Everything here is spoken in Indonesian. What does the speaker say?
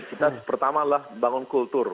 kita pertama lah membangun kultur